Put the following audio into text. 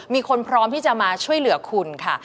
มีคนพร้อมที่จะมาช่วยเหลือคุณค่ะ